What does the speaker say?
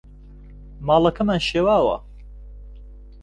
ماڵەکەمان شێواوە.